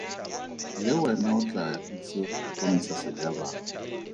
Le wena o tlaa itse go ntsha sejabana.